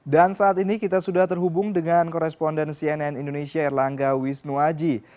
dan saat ini kita sudah terhubung dengan koresponden cnn indonesia erlangga wisnuwaji